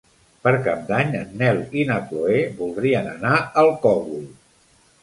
Per Cap d'Any en Nel i na Chloé voldrien anar al Cogul.